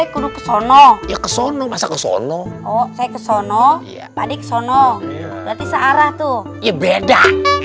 kuduk sono sono masa kesono oh kesono padik sono berarti searah tuh ya beda